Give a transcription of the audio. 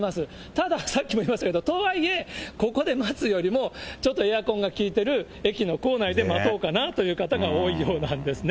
ただ、さっきも言いましたけど、とはいえ、ここで待つよりもちょっとエアコンが効いてる駅の構内で待とうかなという方が多いようなんですね。